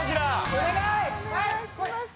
お願いします。